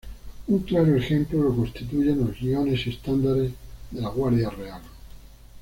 Un claro ejemplo lo constituyen los guiones y estandartes de la Guardia Real.